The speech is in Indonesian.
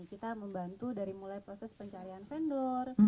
kita membantu dari mulai proses pencarian vendor